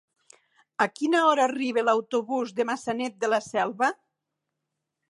A quina hora arriba l'autobús de Maçanet de la Selva?